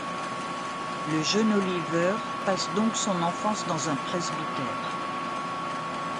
Le jeune Oliver passe donc son enfance dans un presbytère.